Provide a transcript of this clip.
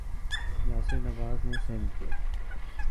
یاسر نواز نے سند